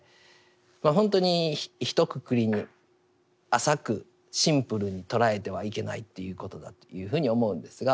ほんとにひとくくりに浅くシンプルに捉えてはいけないということだというふうに思うんですが。